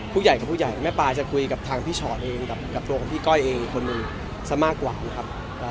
ผู้ใหญ่กับผู้ใหญ่แม่ปลาจะคุยกับทางพี่ชอตเองกับตัวของพี่ก้อยเองคนหนึ่งซะมากกว่านะครับ